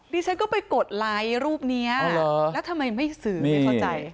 ดิฉันก็ไปกดไลค์รูปนี้แล้วทำไมไม่สื่อไม่เข้าใจ